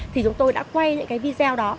thì chúng tôi đã quay những cái video đó